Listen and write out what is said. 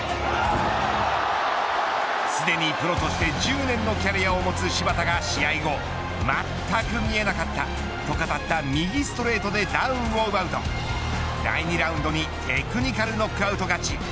すでにプロとして１０年のキャリアを持つ柴田が試合後まったく見えなかったと語った右ストレートでダウンを奪うと第２ラウンドにテクニカルノックアウト勝ち。